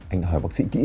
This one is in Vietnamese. anh đã hỏi bác sĩ kỹ rồi